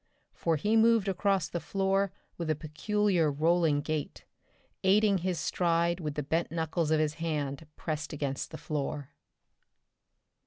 For he moved across the floor with a peculiar rolling gait, aiding his stride with the bent knuckles of his hands pressed against the floor.